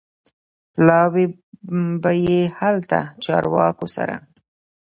پلاوی به یې هلته چارواکو سره